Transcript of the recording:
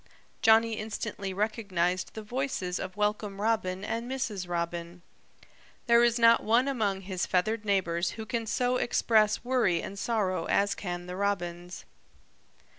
Johnny instantly recognized the voices of Welcome Robin and Mrs. Robin. There is not one among his feathered neighbors who can so express worry and sorrow as can the Robins.